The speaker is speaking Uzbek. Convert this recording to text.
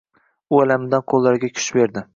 U alamidan qo‘llariga kuch berdi.